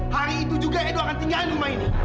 hari itu juga edo akan tinggal di rumah ini